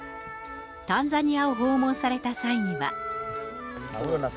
タンザニアを訪問された際には。